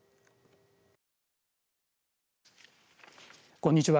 こんにちは。